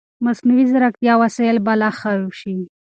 مصنوعي ځیرکتیا وسایل به لا ښه شي.